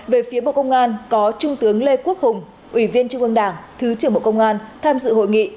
về phía bộ công an có trung tướng lê quốc hùng ủy viên trung ương đảng thứ trưởng bộ công an tham dự hội nghị